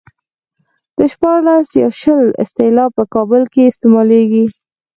د شپاړس يا شل اصطلاح په کابل کې استعمالېږي.